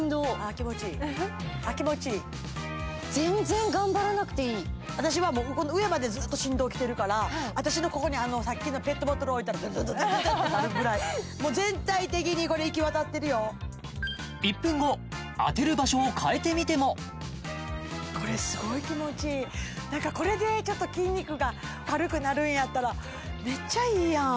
気持ちいいああ気持ちいい全然頑張らなくていい私は上までずっと振動きてるから私のここにさっきのペットボトル置いたらドンドンドンドンってなるぐらいもう全体的にこれいきわたってるよ１分後当てる場所を変えてみても何かこれでちょっと筋肉が軽くなるんやったらメッチャいいやん